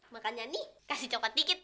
makanya nih kasih coba dikit